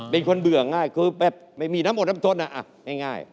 เบื่อง่ายคือแบบไม่มีน้ำอดน้ำทนง่าย